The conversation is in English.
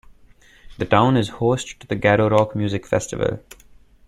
The town is host to the Garorock music festival.